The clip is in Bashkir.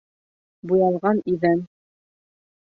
Буялған иҙән